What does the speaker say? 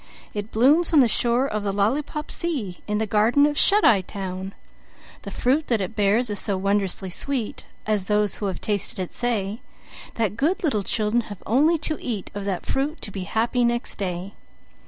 It blooms on the shore of the Lollypop Sea In the garden of Shut Eye Town; The fruit that it bears is so wondrously sweet (As those who have tasted it say) That good little children have only to eat Of that fruit to be happy next day.